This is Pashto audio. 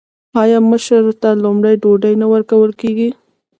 آیا مشر ته لومړی ډوډۍ نه ورکول کیږي؟